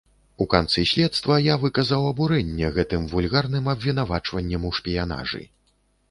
У канцы следства я выказаў абурэнне гэтым вульгарным абвінавачаннем у шпіянажы.